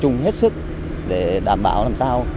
tập trung hết sức để đảm bảo làm sao